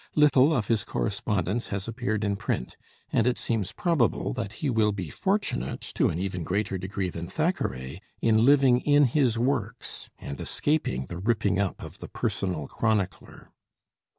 Little of his correspondence has appeared in print; and it seems probable that he will be fortunate, to an even greater degree than Thackeray, in living in his works and escaping the "ripping up" of the personal chronicler.